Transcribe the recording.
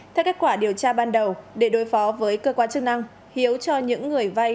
theo kết quả điều tra ban đầu để đối phó với cơ quan chức năng hiếu cho những người vay